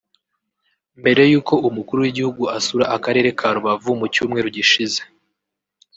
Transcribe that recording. Mbere y’uko umukuru w’Igihugu asura Akarere ka Rubavu mu Cyumweru gishize